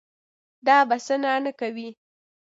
دا بسنه نه کوي.